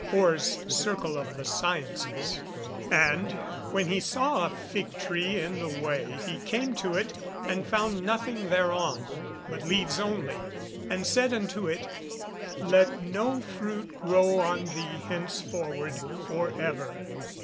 Orr's Circle of the Sciences. [Verse: "And when he saw a fig tree in the way, he came to it, and found nothing thereon, but leaves only, and said unto it, Let no fruit grow on thee henceforward for ever.